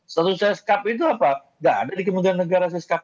status sescap itu apa tidak ada di kementerian negara sescap